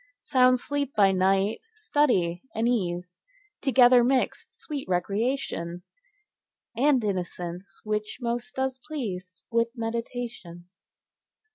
Sound sleep by night; study and ease Together mixed; sweet recreation, And innocence, which most does please With meditation.